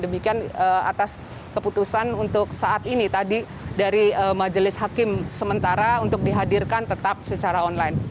demikian atas keputusan untuk saat ini tadi dari majelis hakim sementara untuk dihadirkan tetap secara online